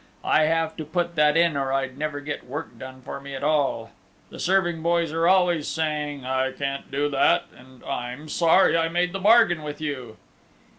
I have to put that in or I'd never get work done for me at all. The serving boys are always saying 'I can't do that,' and 'I'm sorry I made the bargain with you.